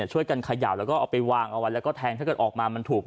ช่วยกันเขย่าแล้วก็เอาไปวางเอาไว้แล้วก็แทงถ้าเกิดออกมามันถูก